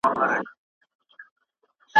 ایا ته کولای شې بل څوک وغولوې؟